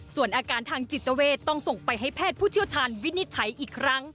ส่วนอาการทางจิตเวทต้องส่งไปให้แพทย์ผู้เชี่ยวชาญวินิจฉัยอีกครั้ง